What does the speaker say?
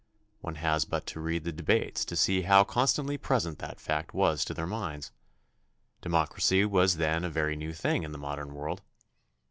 One has but to read the debates to see how constantly present that fact was to their minds. Democracy was then a very new thing in the modern world.